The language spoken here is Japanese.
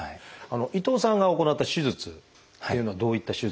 伊藤さんが行った手術というのはどういった手術なんでしょうか？